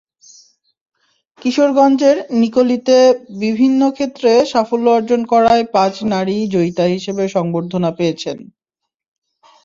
কিশোরগঞ্জের নিকলীতে বিভিন্ন ক্ষেত্রে সাফল্য অর্জন করায় পাঁচ নারী জয়িতা হিসেবে সংবর্ধনা পেয়েছেন।